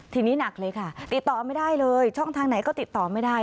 ทีนี้หนักเลยค่ะติดต่อไม่ได้เลยช่องทางไหนก็ติดต่อไม่ได้